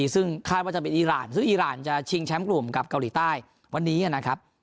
ซึ่งคาดว่าจะเป็นอีรานซึ่งอีรานจะชิงแชมป์กลุ่มกับเกาหลีใต้วันนี้นะครับ